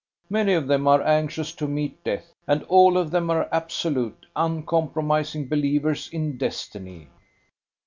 Many of them are anxious to meet death, and all of them are absolute, uncompromising believers in destiny.